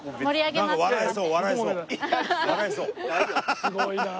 すごいなあ。